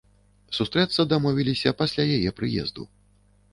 Сустрэцца дамовіліся пасля яе прыезду.